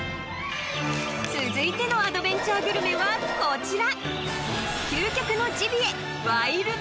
［続いてのアドベンチャーグルメはこちら］